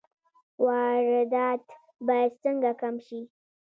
واردات باید څنګه کم شي؟